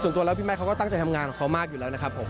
ส่วนตัวแล้วพี่แมทเขาก็ตั้งใจทำงานของเขามากอยู่แล้วนะครับผม